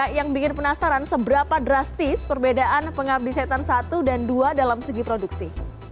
yang bikin penasaran seberapa drastis perbedaan penghabis setan satu dan dua dalam segi produksi